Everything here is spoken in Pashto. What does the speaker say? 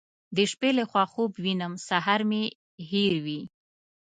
د شپې له خوا خوب وینم سهار مې هېروي.